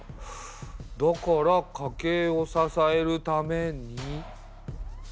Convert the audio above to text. だから家計を支えるために。